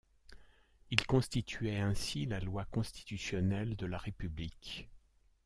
Ils constituaient ainsi la loi constitutionnelle de la République.